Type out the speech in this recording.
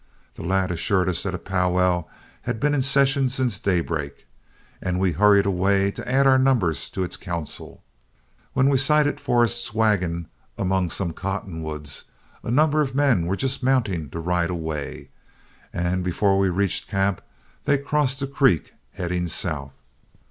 The lad assured us that a pow wow had been in session since daybreak, and we hurried away to add our numbers to its council. When we sighted Forrest's wagon among some cottonwoods, a number of men were just mounting to ride away, and before we reached camp, they crossed the creek heading south.